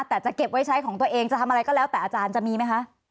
แต่จะเก็บไว้ใช้ของตัวเองจะทำอะไรก็แล้วแต่อาจารย์จะมีไหมคะ